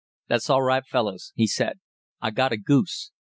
"That's all right, fellus," he said; "I got a goose.